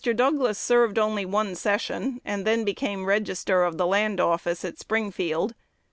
Douglas served only one session, and then became Register of the Land Office at Springfield.